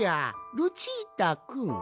ルチータくん。